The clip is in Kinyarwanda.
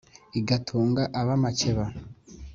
igatunga ab’amakeba,